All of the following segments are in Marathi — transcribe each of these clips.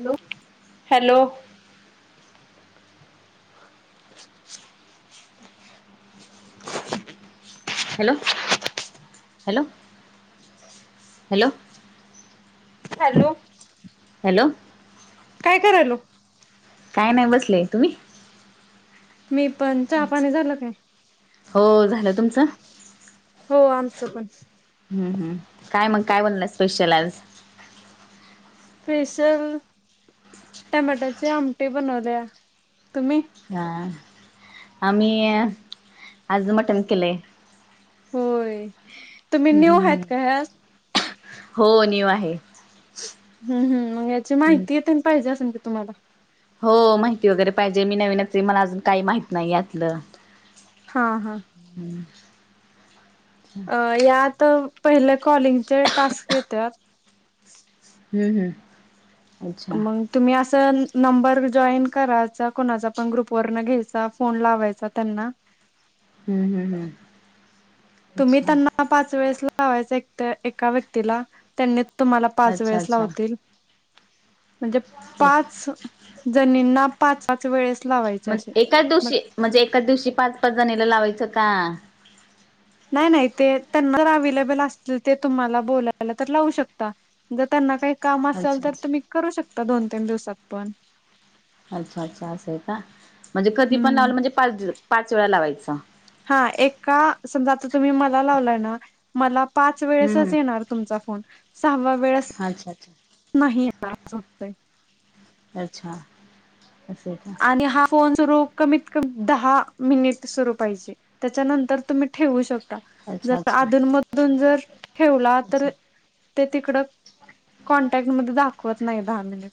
Hello hello hello hello [inaudible] hello hello hello काय करायलो? काय नाय बसले, तुम्ही मी पण चहा पाणी झालं का? हो झालं तुमचं? हो आमचं पण. हम् हम् काय मग काय बनलं स्पेशल आज? स्पेशल टमॅटोची आमटी बनवल्या तुम्ही? हा आम्ही आज मटण केलय. होय तुम्ही न्यू हम्म आहेत का यात हो न्यू आहे. हम् हम् मग याची हम्म माहिती तेन पाहिजे असेल की तुम्हाला? हो माहिती वगैरे पाहिजे मी नवीनच मला अजून काही माहित नाही यातलं. हा हा हम्म अ यात पहिले कॉलिंगचे टास्क येत्यात हम् हम् मंग तुम्ही असं नंबर जॉईन करायचा कुणाचा पण ग्रुपवर न घ्यायचा फोन लावायचा त्यांना हम्म हम् हम् तुम्ही त्यांना पाच वेळेस लावायचा एका व्यक्तीला त्यांनी तुम्हाला पाच अच्छा वेळेस अच्छा लावतील. म्हणजे ओके पाच जणींना पाच पाच वेळेस लावायचे असे म्हणजे एकाच मग दिवशी म्हणजे एकाच दिवशी पाच पाच जणीला लावायचं का? नाही नाही ते त्यांना जर अव्हेलेबल असतील ते तुम्हाला बोलायला तर लावू शकता जर त्यांना काही काम असेल अच्छा तर अच्छा तुम्ही करू शकता दोन तीन दिवसात पण अच्छा अच्छा असं आहे का म्हणजे कधी पण हम्म लावलं म्हणजे पाच पाच वेळा लावायचं हा एका समजा आता तुम्ही मला लावलाय ना मला पाच हम्म हम्म. वेळेसच येणार तुमचा फोन सहावा वेळेस अच्छा अच्छा नाही येणार अच्छा असं आहे का आणि हा फोन सुरु कमीत कमी दहा मिनिट सुरू पाहिजे त्याच्यानंतर तुम्ही ठेवू शकता अच्छा जर अच्छा अधून मधून जर ठेवला तर अच्छा ते तिकड कॉनटॅक्ट मध्ये दाखवत नाही दहा मिनिट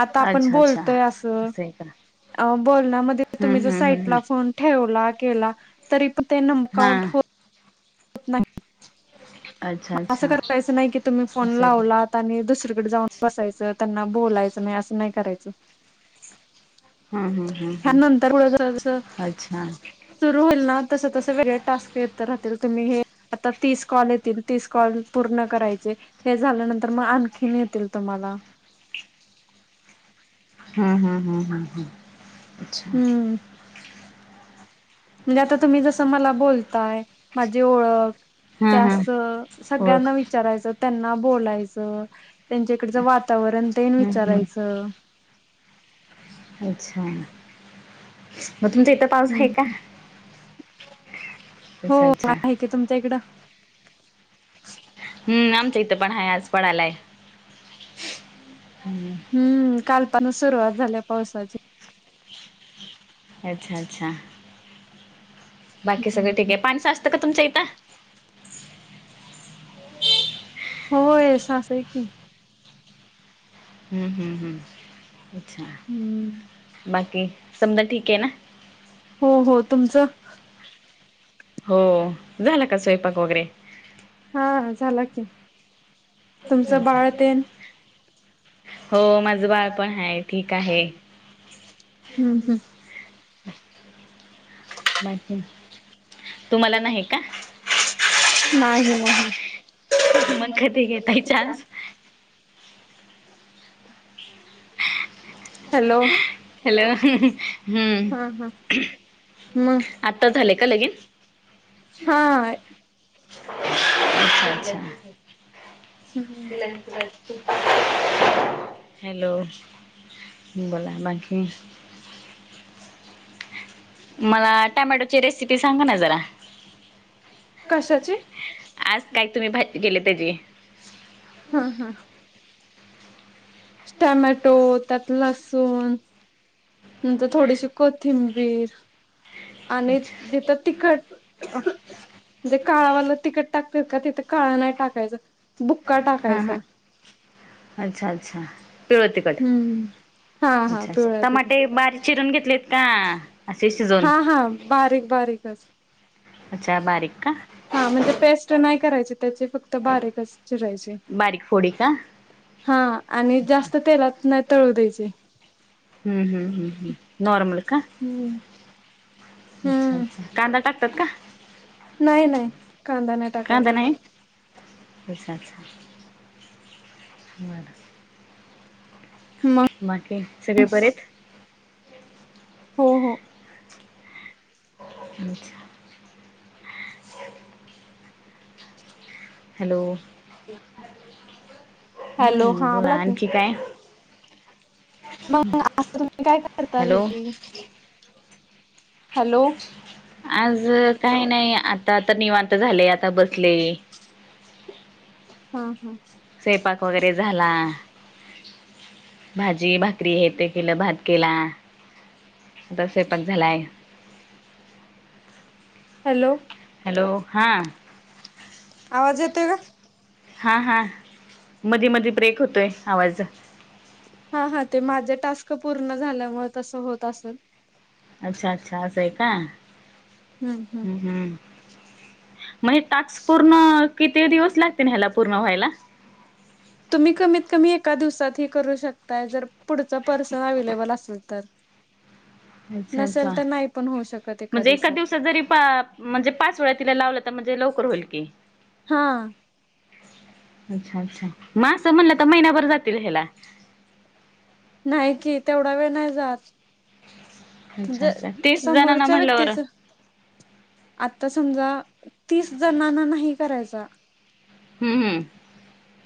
आता आपण अच्छा अच्छा बोलतोय अस असं आहे का आओ बोलण्यामध्ये तुम्ही हम्म जर हम्म हम्म साईटला हम्म फोन ठेवला केला तरी पण ते नमकाउंट होत हा होत नाहीत अच्छा मग असं अच्छा करारायचं नाही की तुम्ही फोन असं आहे का लावलात त्यांनी दुसरीकडे जाऊन बसायचं त्यांना बोलायचं नाही असं नाही करायचं हम्म हम्म हम्म ह्या हम्म नंतर पुढं जर असं अच्छा सुरू होईल ना तस तस वेगळे टास्क येत राहतील तुम्ही हे आता तीस कॉल येतील तीस कॉल पूर्ण करायचे हे झाल्यानंतर मग आणखीन येतील तुम्हाला हा हा हा हा अच्छा हम्म म्हणजे आता तुम्ही जसं मला बोलताय माझी ओळख हम्म त्यास हम्म ओळख सगळ्यांना वी चारायचं त्यांना बोलायचं त्यांच्या इकडचं वातावरण तेन हम्म हम्म विचारायचं अच्छा मग तुमचा इथं पाऊस आहे हम्म का? अच्छा अच्छा ते तुमच्या इकड हम् आमचं इथं पण आहे. आज पण आलाय. ह. हम्म, कालपण सुरुवात झाल्या पावसाची. अच्छा अच्छा, बाकी सगळ ठीक हम्म आहे. पाणी साचत का तुमच्या इथं? होय सासंय की, हम्म, हम् हम् अच्छा. हम्म बाकी समद ठीक आहे ना? हो हो. तुमचं? हो. झाला का स्वयंपाक वगैरे,? हा झाला की. तुमचं बाळ तेन? हो. माझं बाळ पण आहे. ठीक आहे. हम्म हम्म, बाकी? तुम्हाला नाही का [unintelligible] मग कधी घेताय चान्स [unintelligible] हॅलो, हॅलो. हम्म. हा हा मग आता झाले का लगिन? हो. हा अच्छ अच्छा, हॅलो, बोला बाकी? मला टमॅटोची रेसिपी सांगा ना जरा? कशाची? आज काय तुम्ही भाजी केले त्याचीे? हम हम. टोमॅटो त्यात लसूण, नंतर थोडीशी कोथिंबीर, आणि अच्छा. तीथ तिखट म्हणजे काळवालं तिखट टाकतात का. तिथे काळ नाही टाकायचा. बुक्का हां टाकायचा. हां अच्छा अच्छा पिवळ तिखट. हम्म हा हा अच्छा पिवळ्या टमाटे तिखट बारीक चिरून घेतलेत का असे शिजवून हा हा बारीक बारीकच. अच्छा बारीक का. हा म्हणजे पेस्ट नाही करायची त्याची फक्त बारीकच चिरायची. बारीक फोडी का हा आणि अच्छा जास्त तेलात नाही तळू द्यायचे. हम् हम् हम् हम् नॉर्मल का हम्म. अच्छा हम्म. अच्छा, कांदा टाकतात का? नाही नाही. कांदा नाही कांदा टाकायचा. नाही अच्छा अच्छा मग. मग बाकी सगळे बरे आहेत. हो हो. अच्छा, हॅलो. हॅलो हम्म. हा बोला की. आणखी काय? मग असं तुम्ही काय करता हॅलो घरी? हॅलो आज काही नाही आता तर निवांत झाले आता बसले हम्म हम् स्वयपाक वगैरे झाला भाजी भाकरी हे ते केलं भात केला आता स्वयंपाक झालाय हॅलो हॅलो हां आवाज येतोय का हा हा मधी मधी ब्रेक होतोय आवाज हा हा ते माझे टास्क पूर्ण झाल्यामुळे तसं होत असल अच्छा अच्छा असंय का हम् हम्म मग हे टास्क पूर्ण किती दिवस लागतेन ह्याला पूर्ण व्हायला तुम्ही कमीत कमी एका दिवसात हे करू शकताय जर पुढचा पर्सन अवैलेबल असेल तर अच्छा अच्छा नसेल तर नाही पण होऊ शकत म्हणजे एका दिवसात जरी पा म्हणजे पाच वेळा तिला लावलं तर म्हणजे लवकर होईल की हा अच्छा अच्छा म अस म्हणलं तर महिन्याभर जातील ह्याला नाही कि तेवढा वेळ नाही जाात अच्छा ज अच्छा तीस जणांना समोरच्या म्हटल्यावर व्यक्तीच आत्ता समजा तीस जणांना नाही करायचा हम्म हम्म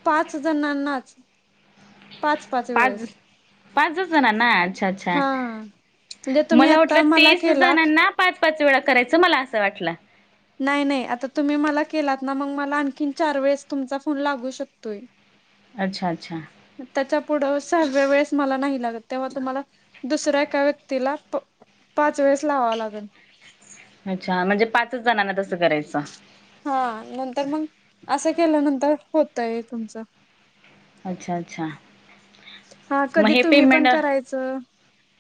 पाच जणांनाच पाच पाच वेळेस पाचच जणांना अच्छा अ. च्छा हा म्हणजे तुम्ही मला वाटलं आता तीस केलात जणांना पाच पाच वेळा करायचं मला असं वाटलं नाही नाही आता तुम्ही मला केलात ना मग मला आणखीन चार वेळेस तुमचा फोन लागू शकतोय अच्छा अच्छा त्याच्या पुढं सहाव्या वेळेस मला नाही लागत तेव्हा तुम्हाला दुसऱ्या एका व्यक्तीला प् अच्छा म्हणजे पाचच जणांना तसं करायचं हा नंतर मग असं केल्यानंतर होतय तुमचं अच्छा अच्छा हा मग कधी हे तुम्ही पण पेमेंट कराय च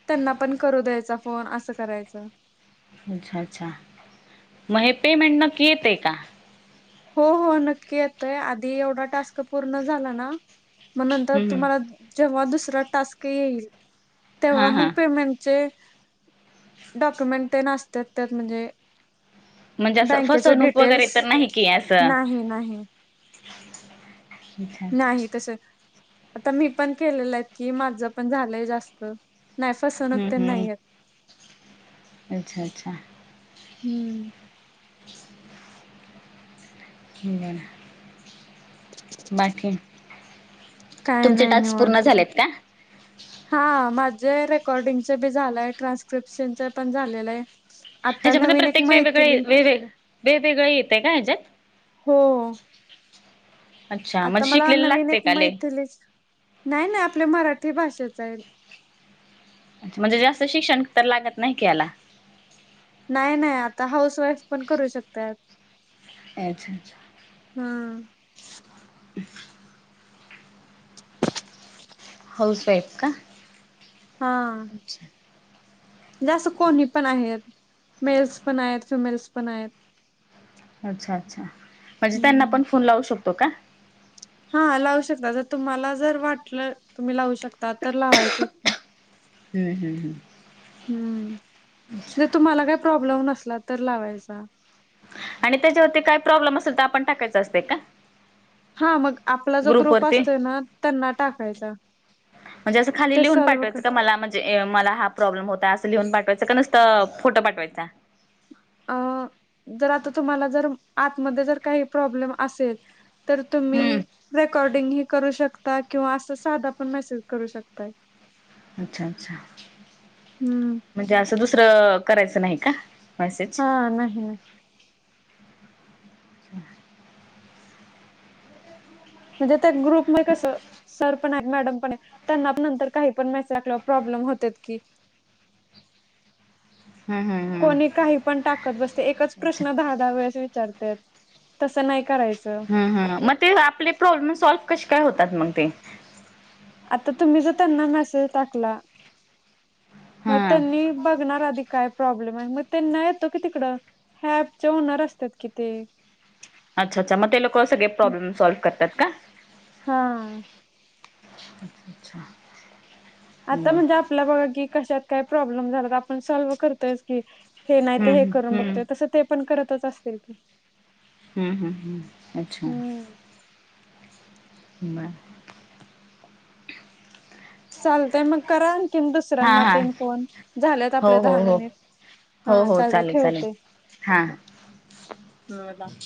त्यांना पण करू द्यायचा फोन असं करायचं अच्छा अच्छा मग हे पेमेंट नक्की येतय का हो हो नक्की येतय आधी एवढा टास्क पूर्ण झाला ना मग नंतर हम्म हम्म. तुम्हाला जेव्हा दुसरा टास्क येईल हा तेव्हा मग हा पेमेंटचे डॉक्युमेंट ते नासत्यात तर म्हणजे म्हणजे असं बँकेचे फसवणूक वगैरे डिटेल्स तर नाही की असं नाही नाही नाही तसं आता मी पण केलेलंत की माझं पण झालंय जास्त नाही हम्म फसवणूक तर हम्म नाहीऐत अच्छा अच्छा हम्म [unintelligible] बाकी? काय तुमचे नाई टास्क पूर्ण निवांतच ए. झालेत का हा... माझं रेकॉर्डिंगचं बी झालंय... ट्रान्स्क्रिप्शनचं पण झालेलं हे. ह्याच्यामध्ये प्रत्येक वेगवेगळे... वे... वेग... वेगवेगळं येतंय का ह्याच्यात? हो. अच्छा आता म्हणजे मला शिकलेलं नवीन लागते एक का लय मैथलीच... नाई नाई.. आपल्या मराठी भाषेचं ए म्हणजे जास्त शिक्षण तर... लागत नाही की याला? नाई नाई आता हाऊस वाईफ पण... करू शकत्यात. अच्छा अच्छा. हा. [inaudible] हाऊस वाईफ का? हा. अच्छा. म्हणजे असं कोणी पण आहेत... मेल्स पण आहेत... फिमेल्स पण आहेत. अच्छा अच्छा... म्हणजे त्यांना हम्म. पण फोन लावू शकतो का? हा लावू शकता... जर तुम्हाला जर वाटलं... तुम्ही लावू शकता.. तर लावायचं की. हू हू हू. हम्म जर तुम्हाला काय प्रॉब्लेम नसला तर लावायचा. आणि त्याच्यावरती काय प्रॉब्लेम असल तर... आपण टाकायचं असतं का? हा मग आपला जो ग्रुप ग्रुपवरती असतोय ना... त्यांना टाकायचा. म्हणजे असं खाली ते लिहून सॉल्व कर पाठवायचं का मला म्हण म्हणजे मला... हा प्रॉब्लेम होता असं लिहून पाठवायचा.. का नुसतं फोटो पाठवायचा? अं... जर आता तुम्हाला जर... आतमध्ये जर काही प्रॉब्लेम असेल तर तुम्ही हम्म रेकॉर्डिंग ही करू शकता... किंवा असा... साधा पण मेसेज करू शकताय. अच्छा अच्छा... हम्म. म्हणजे असं दुसरं... करायचं नाही का... मेसेज? हा... नाही नाही. [inaudible] म्हणजे त्या ग्रुपने कसं... सर. सर पण ए... मॅडम पण ए... त्यांना नंतर काही पण... मेसेज टाकल्यावर प्रॉब्लेम होत्यात की. हम्म हम्म कोणी हम्म काही पण टाकत बसते... एकच अच्छा प्रश्न.. दहा दहा वेळेस विचारतेत... तसं नाही करायचं. हं हं... मग ते आपले प्रॉब्लेम... सॉल्व कशे काय होतात मग ते? आता तुम्ही जर त्यांना मेसेज टाकला... मग हा त्यांनी बघणार आधी काय प्रॉब्लेम हाये... मग त्यांना येतो की तिकडं... ह्या ऍपचे ओनर असतात कि ते. अच्छा अच्छा... मग ते लोकं सगळे प्रॉब्लेम सॉल्व करतात का? हा. अच्छा [inaudible] आता म्हणजे आपल्या बघा की... कशात काय प्रॉब्लेम झाला तर आपण सॉल्व करतोयच की हे नाही तर हे हम्म करून हम्म बघतोय... तसं ते पण करतच असतील की. हू हू हू... अच्छा. हम्म बरं. चालतय... मग करा आणखीन... दुसऱ्यांना हां तेन फोन... झालेत हो आपले हो दहा हो मिनिट. हो हा हो... चालतय चालेल चालेल... ठेवते हा हा. [inaudible]